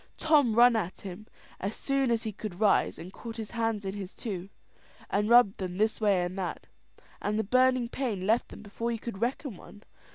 Tom run at him as soon as he could rise, caught his hands in his own two, and rubbed them this way and that, and the burning pain left them before you could reckon one.